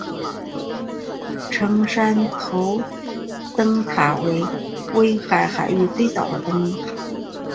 成山头灯塔为威海海域最早的灯塔。